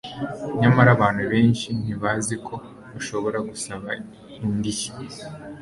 nyamara abantu benshi ntibazi ko bashobora gusaba indishyi